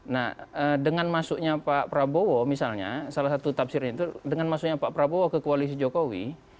nah dengan masuknya pak prabowo misalnya salah satu tafsirnya itu dengan masuknya pak prabowo ke koalisi jokowi